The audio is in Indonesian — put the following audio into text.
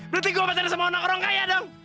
berarti gua pacarnya sama orang kaya dong